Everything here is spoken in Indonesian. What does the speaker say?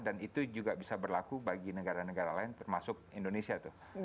dan itu juga bisa berlaku bagi negara negara lain termasuk indonesia